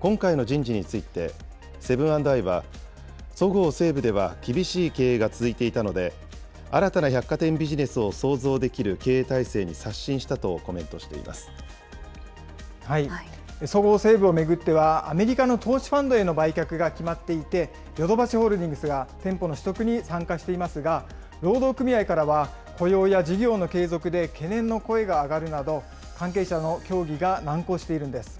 今回の人事についてセブン＆アイは、そごう・西武では厳しい経営が続いていたので、新たな百貨店ビジネスを創造できる経営体制にそごう・西武を巡っては、アメリカの投資ファンドへの売却が決まっていて、ヨドバシホールディングスが店舗の取得に参加していますが、労働組合からは雇用や事業の継続で懸念の声が上がるなど、関係者の協議が難航しているんです。